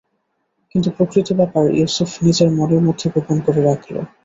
কিন্তু প্রকৃত ব্যাপার ইউসুফ নিজের মনের মধ্যে গোপন করে রাখল।